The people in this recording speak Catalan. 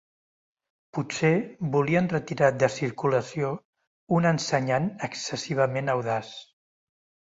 Potser volien retirar de circulació un ensenyant excessivament audaç.